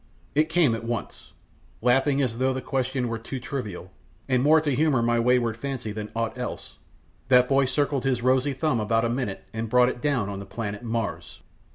It came at once. Laughing as though the question were too trivial, and more to humour my wayward fancy than aught else, that boy circled his rosy thumb about a minute and brought it down on the planet Mars!